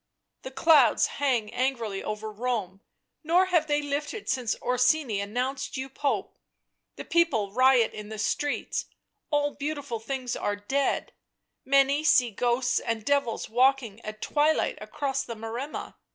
The clouds hang angrily over Rome, nor have they lifted since Orsini announced you Pope — the people riot in the streets — all beautiful things are dead, many see ghosts and devils walking at twilight across the Maremma.